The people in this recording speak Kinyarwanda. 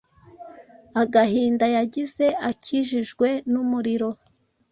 Agahinda yagize akikijwe numuriro